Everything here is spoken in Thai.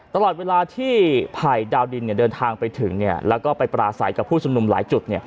ตลอดเวลาที่ไผ่ดาวดินเดินทางไปถึงแล้วก็ไปปราศัยกับผู้ชุมนุมหลายจุด